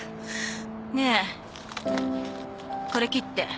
ねえこれ切って。